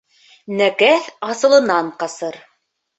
Нәкәҫ асылынан ҡасыр.